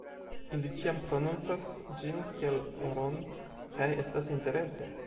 Ili ĉiam prononcas ĝin kiel ro-n kaj estas interese